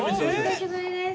お久しぶりです。